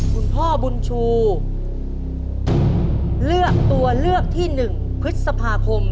คุณพ่อบุญชูเลือกตัวเลือกที่๑พฤษภาคม